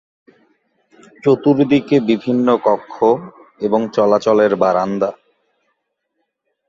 চতুর্দিকে বিভিন্ন কক্ষ এবং চলাচলের বারান্দা।